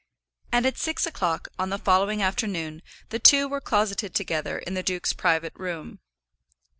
And at six o'clock on the following afternoon the two were closeted together in the duke's private room.